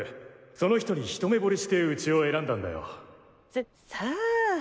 その人に一目惚れしてウチを選んだんだよささあ。